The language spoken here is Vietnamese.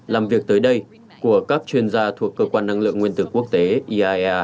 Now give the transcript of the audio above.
cảm ơn các bạn đã theo dõi và hẹn gặp lại